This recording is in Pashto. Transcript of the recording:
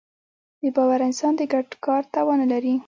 بېباوره انسان د ګډ کار توان نهلري.